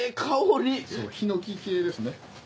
そうヒノキ系ですね。